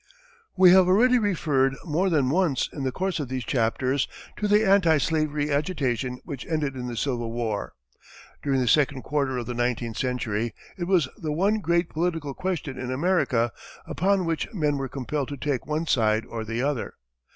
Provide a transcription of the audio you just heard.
We have already referred more than once, in the course of these chapters, to the anti slavery agitation which ended in the Civil War. During the second quarter of the nineteenth century, it was the one great political question in America, upon which men were compelled to take one side or the other.